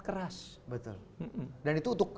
keras betul dan itu untuk